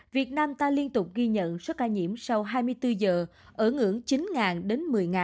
việt nam ta liên tục ghi nhận số ca nhiễm sau hai mươi bốn giờ ở ngưỡng chín đến một mươi ca